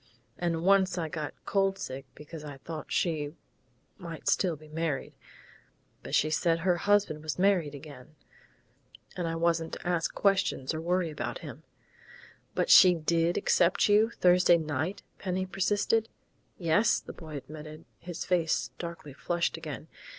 And once I got cold sick because I thought she might still be married, but she said her husband was married again, and I wasn't to ask questions or worry about him " "But she did accept you Thursday night?" Penny persisted. "Yes," the boy admitted, his face darkly flushed again.